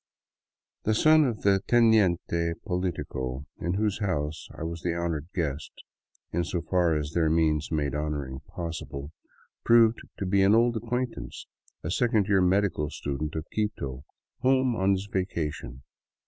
The son of the teniente politico in whose house I was the honored guest, in so far as their means made honoring possible, proved to be an old ac quaintance, a second year medical student of Quito, home on his va cation.